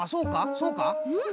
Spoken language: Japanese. そうか？